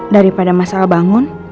daripada masalah bangun